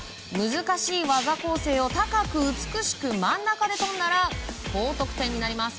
難しい技構成を高く、美しく、真ん中で跳んだら高得点になります。